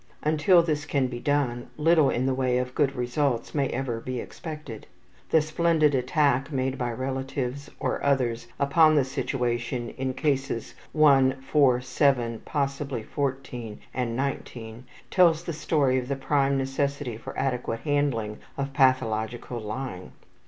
Until this can be done, little in the way of good results may ever be expected. The splendid attack made by relatives or others upon the situation in Cases 1, 4, 7, possibly 14, and 19 tells the story of the prime necessity for adequate handling of pathological lying.